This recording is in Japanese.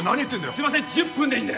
すいません１０分でいいんで。